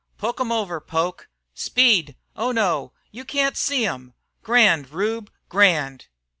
"Poke 'em over, Poke!" "Speed! Oh, no! You can't see 'em!" "Grand, Rube, grand!"